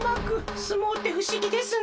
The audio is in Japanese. すもうってふしぎですね。